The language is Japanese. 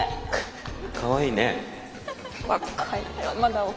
かわいい！